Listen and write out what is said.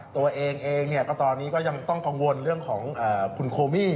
ตัวเองเองก็ตอนนี้ก็ยังต้องกังวลเรื่องของคุณโคมี่